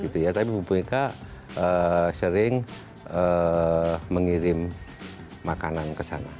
tapi bumega sering mengirim makanan ke sana